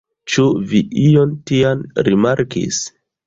Ĉu vi ion tian rimarkis?